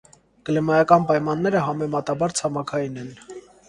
Կլիմայական պայմանները համեմատաբար ցամաքային են։